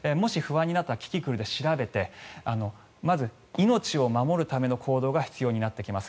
まずキキクルで調べてまず命を守るための行動が必要になってきます。